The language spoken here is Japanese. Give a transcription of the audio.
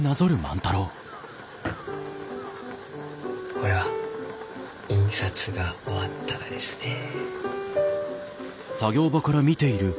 これは印刷が終わったがですねえ。